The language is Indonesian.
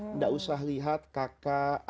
tidak usah lihat kakak